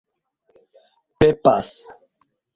pepas